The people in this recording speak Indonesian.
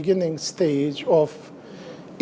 institusi yang berulang